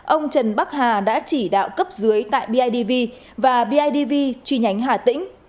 ông trần bắc hà đã chỉ đạo cấp dưới tại bidv và bidv chi nhánh hà tĩnh